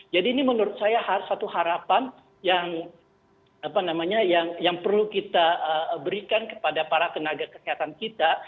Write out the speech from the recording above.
jadi ini menurut saya satu harapan yang perlu kita berikan kepada para tenaga kesehatan kita